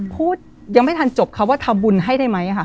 พูดยังไม่ทันจบค่ะว่าทำบุญให้ได้ไหมค่ะ